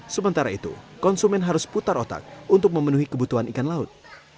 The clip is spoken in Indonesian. sementara itu konsumen harus putar otak untuk memenuhi kebutuhan ikan laut